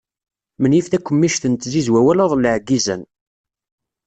Menyif takemmict n tzizwa wala aḍellaɛ n yizan.